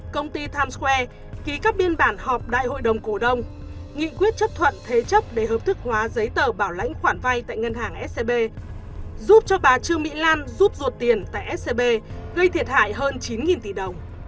công ty times square ký các biên bản họp đại hội đồng cổ đông nghị quyết chấp thuận thế chấp để hợp thức hóa giấy tờ bảo lãnh khoản vay tại ngân hàng scb giúp cho bà trương mỹ lan rút ruột tiền tại scb gây thiệt hại hơn chín tỷ đồng